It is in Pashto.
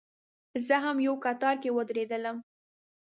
زه هم یو کتار کې ودرېدلم.